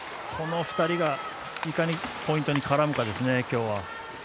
この２人がいかにポイントに絡むかですね、今日は。